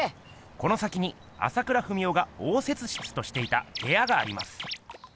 この先に朝倉文夫が応接室としていたへやがあります。